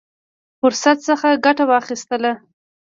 فرصت څخه ګټه واخیستله.